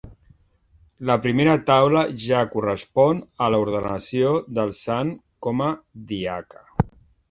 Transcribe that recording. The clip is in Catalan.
La primera taula ja correspon a l'ordenació del sant com a diaca.